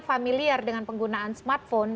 familiar dengan penggunaan smartphone